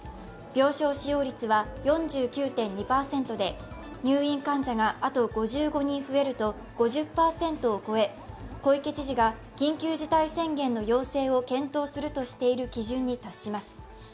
病床使用率は４９．２％で、入院患者があと５５人増えると５０％を超え小池知事が緊急事態宣言の要請を検討するとしている基準に達します。